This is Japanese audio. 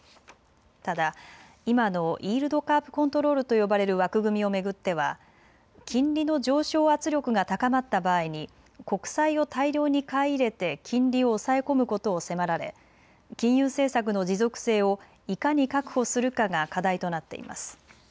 ただ今のイールドカーブ・コントロールと呼ばれる枠組みを巡っては金利の上昇圧力が高まった場合に国債を大量に買い入れて金利を抑え込むことを迫られ金融政策の持続性をいかに確保するかが課題となっています。